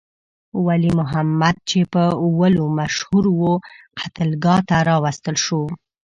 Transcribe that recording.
ولی محمد چې په ولو مشهور وو، قتلګاه ته راوستل شو.